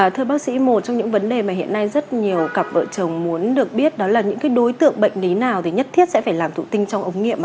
thưa bác sĩ một trong những vấn đề mà hiện nay rất nhiều cặp vợ chồng muốn được biết đó là những đối tượng bệnh lý nào thì nhất thiết sẽ phải làm thụ tinh trong ống nghiệm